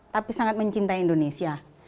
tapi sangat mencintai indonesia